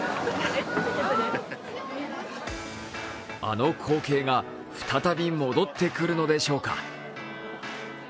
あの光景が再び戻ってくるのでしょうか。